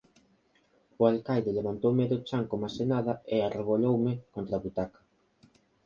O alcaide levantoume do chan como se nada e arreboloume contra a butaca.